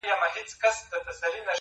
پر كومه تگ پيل كړم_